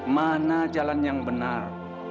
mana jalan yang benar